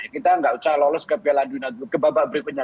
kita tidak usah lolos ke babak berikutnya